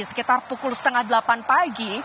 sekitar pukul setengah delapan pagi